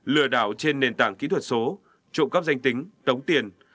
lừa đảo trên nền tảng kỹ thuật số trộm cắp danh tính tống tiền